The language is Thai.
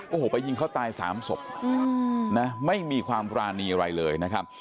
โอ้โหไปยิงเขาตายสามศพนะไม่มีความปรานีอะไรเลยนะครับ